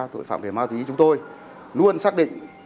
tội phạm về ma túy chúng tôi luôn xác định